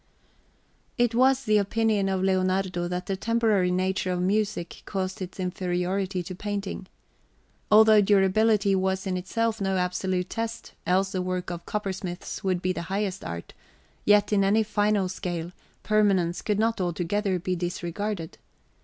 It was the opinion of Leonardo that the temporary nature of music caused its inferiority to painting. Although durability was in itself no absolute test, else the work of coppersmiths would be the highest art, yet in any final scale, permanence could not altogether be disregarded.